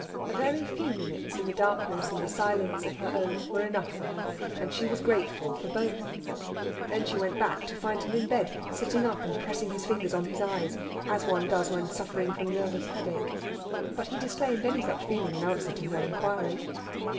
A very few minutes in the darkness and the silence of her own were enough for her, and she was grateful for both. Then she went back, to find him in bed, sitting up and pressing his fingers on his eyes, as one does when suffering from nervous headache. But he disclaimed any such feeling in answer to her inquiry.